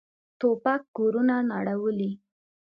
توپک کورونه نړولي.